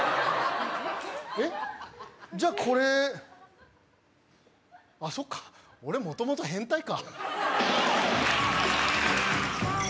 えっ、じゃあ、これあっ、そっか、俺、もともと変態か。